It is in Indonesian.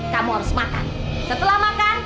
kamu harus makan setelah makan